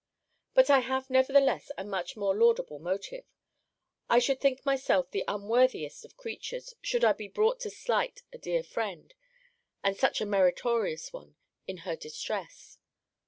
But I have nevertheless a much more laudable motive I should think myself the unworthiest of creatures, could I be brought to slight a dear friend, and such a meritorious one, in her distress.